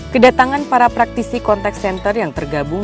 kedatangan para praktisi kontak center yang tergabung